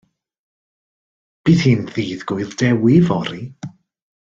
Bydd hi'n Ddydd Gŵyl Dewi fory.